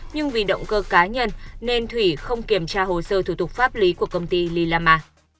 nhưng vì động cơ cá nhân nên thủy không kiểm tra hồ sơ thủ tục pháp lý của công ty lila ma